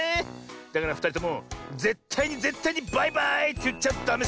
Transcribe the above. だからふたりともぜったいにぜったいにバイバーイっていっちゃダメサボだよ。